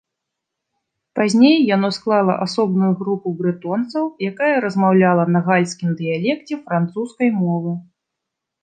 Пазней яно склала асобную групу брэтонцаў, якая размаўляла на гальскім дыялекце французскай мовы.